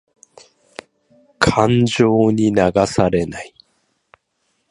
感情に流されない。